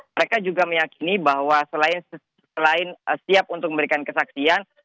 mereka juga meyakini bahwa selain siap untuk memberikan kesaksian